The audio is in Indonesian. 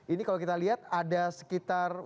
ini kalau kita lihat ada sekitar